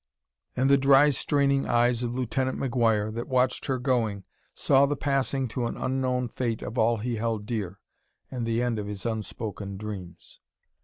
And the dry, straining eyes of Lieutenant McGuire, that watched her going, saw the passing to an unknown fate of all he held dear, and the end of his unspoken dreams.